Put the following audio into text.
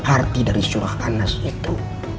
arti dari surah anas itu